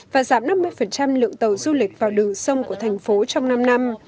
và giảm năm mươi lượng tàu du lịch vào đường sông của thành phố trong năm năm